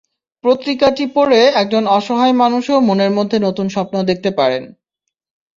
পত্রিকাটি পড়ে একজন অসহায় মানুষও মনের মধ্যে নতুন স্বপ্ন দেখতে পারেন।